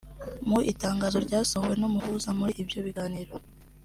Mu itangazo ryasohowe n’umuhuza muri ibyo biganiro